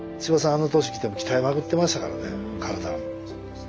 あの年でも鍛えまくってましたからね体。